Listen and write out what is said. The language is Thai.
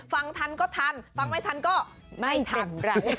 ฟังทันก็ทันฟังไม่ทันก็ไม่ทัน